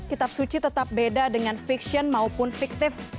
kitab suci tetap beda dengan fiksion maupun fiktif